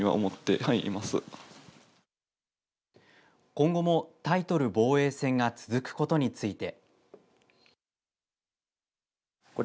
今後もタイトル防衛戦が続くことについて。